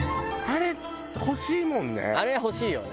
あれ欲しいよね。